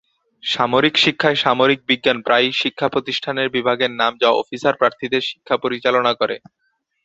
সামরিক শিক্ষায়, সামরিক বিজ্ঞান প্রায়ই শিক্ষা প্রতিষ্ঠানের বিভাগের নাম যা অফিসার প্রার্থীদের শিক্ষা পরিচালনা করে।